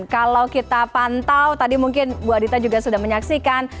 kalau kita pantau tadi mungkin bu adita juga sudah menyaksikan